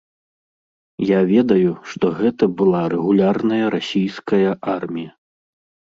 Я ведаю, што гэта была рэгулярная расійская армія.